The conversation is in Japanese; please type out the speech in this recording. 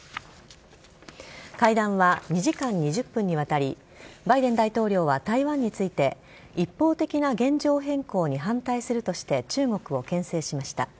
会談は２時間２０分にわたりバイデン大統領は台湾について一方的な現状変更に反対するとして中国をけん制しました。